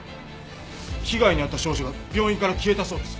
被害に遭った少女が病院から消えたそうです。